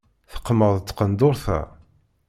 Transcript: Teqmeḍ tqenduṛt-a.